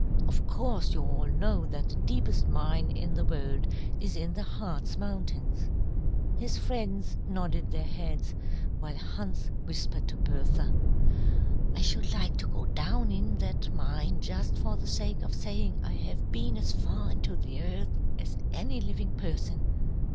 "Of course you all know that the deepest mine in the world is in the Hartz Mountains." His friends nodded their heads, while Hans whispered to Bertha, "I should like to go down in that mine just for the sake of saying I have been as far into the earth as any living person."